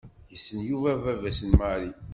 Yessen Yuba baba-s n Mary.